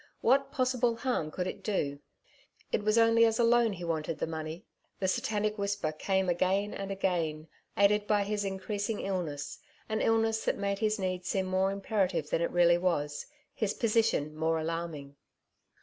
What possible harm, could it do ? It was only as a loan he wanted the money. The Satanic whisper came again and again, aided by his increasing illness — an illness that made his need seem more imperative than it really was, his posi tion more alarming.